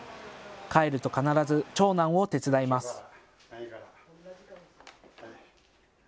帰ると必ず長男を手伝います。